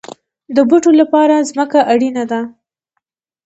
د بوټو لپاره ځمکه اړین ده